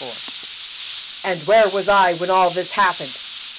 IV "AND WHERE WAS I WHEN ALL THIS HAPPENED?"